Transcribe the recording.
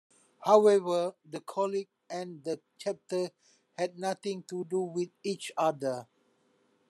However, the College and the Chapter had nothing to do with each other.